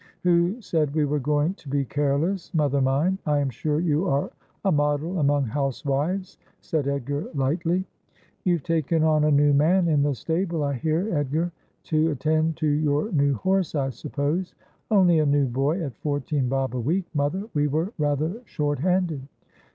' Who said we were going to be careless, mother mine ? I am sure you are a model among housewives,' said Edgar lightly. ' You've taken on a new man in the stable, I hear, Edgar — to attend to your new horse, I suppose.' ' Only a new boy at fourteen bob a week, mother. We were rather short handed.'